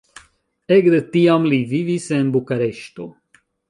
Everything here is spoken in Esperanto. Ekde tiam li vivis en Bukareŝto.